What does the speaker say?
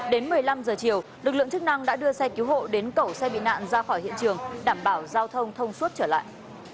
đến một mươi năm h chiều lực lượng chức năng đã đưa xe cứu hộ đến cẩu xe bị nạn ra khỏi hiện trường đảm bảo giao thông thông suốt trở lại